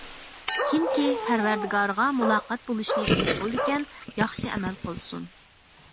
كىمكى پەرۋەردىگارىغا مۇلاقەت بولۇشنى ئۈمىد قىلىدىكەن، ياخشى ئەمەل قىلسۇن.